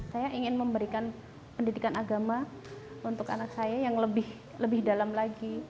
saya ingin memberikan pendidikan agama untuk anak saya yang lebih dalam lagi